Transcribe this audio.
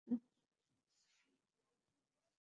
তোমাকে এইসব করতে হবে না।